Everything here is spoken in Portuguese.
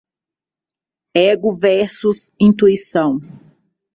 Ego versus intuição